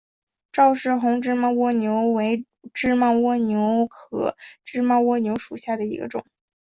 赵氏红芝麻蜗牛为芝麻蜗牛科芝麻蜗牛属下的一个种。